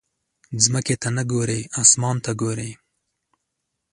ځمکې ته نه ګورې، اسمان ته ګورې.